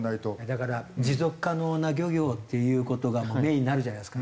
だから持続可能な漁業っていう事がメインになるじゃないですか。